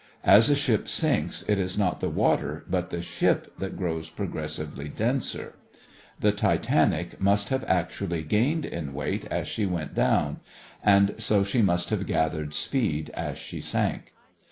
As a ship sinks it is not the water but the ship that grows progressively denser. The Titanic must have actually gained in weight as she went down, and so she must have gathered speed as she sank.